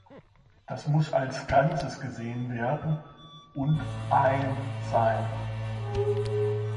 Das muss als Ganzes gesehen werden und ein sein.